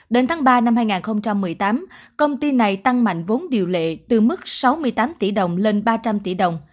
đến tháng ba năm hai nghìn một mươi tám công ty này tăng mạnh vốn điều lệ từ mức sáu mươi tám tỷ đồng lên ba trăm linh tỷ đồng